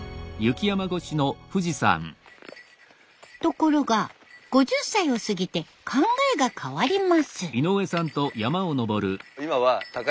ところが５０歳を過ぎて考えが変わります。